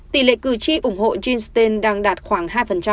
tỷ lệ cử tri ủng hộ jean stein đang đạt khoảng hai